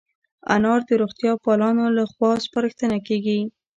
انار د روغتیا پالانو له خوا سپارښتنه کېږي.